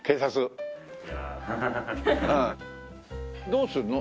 どうするの？